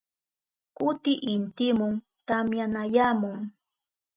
Kuti intimun tamyanayamun.